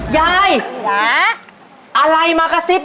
ยายอะไรมากระซิบ